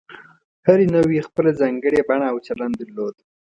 هرې نوعې خپله ځانګړې بڼه او چلند درلود.